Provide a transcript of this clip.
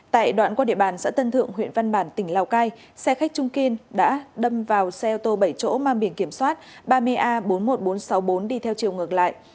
tại đoạn qua địa bàn xã tân thượng huyện văn bản tỉnh lào cai xe khách trung kiên đã đâm vào xe ô tô bảy chỗ mang biển kiểm soát ba mươi a bốn mươi một nghìn bốn trăm sáu mươi bốn đi theo chiều ngược lại